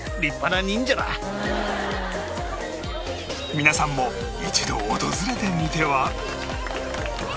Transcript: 皆さんも一度訪れてみては？